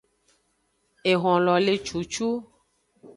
Ehonlo le cucu.